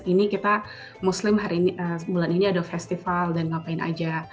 ini kita muslim bulan ini ada festival dan ngapain aja